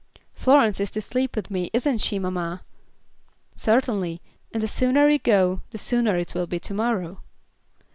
"Florence is to sleep with me, isn't she, mamma?" "Certainly, and the sooner you go, the sooner it will be to morrow."